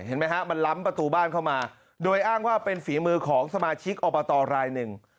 เห็นไหมฮะมันล้ำประตูบ้านเข้ามาโดยอ้างว่าเป็นฝีมือของสมาชิกอบตรายหนึ่ง